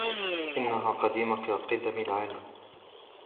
إنها قديمة كقِدم العالم.